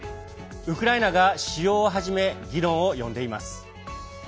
ウクライナが使用を始め議論を呼んでいます。